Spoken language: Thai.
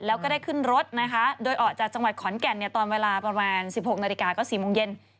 แล้วก็ได้ขึ้นรถนะคะโดยออกจากจังหวัดขอนแก่นตอนเวลาประมาณ๑๖นาฬิกาก็๔โมงเย็น